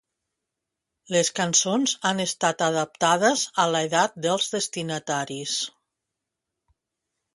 Les cançons han estat adaptades a l'edat dels destinataris.